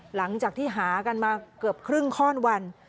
หลังจากที่หากันมาเกือบครึ่งข้อนวัน